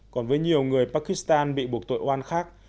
còn với nhiều người pakistan bị buộc tội oan khác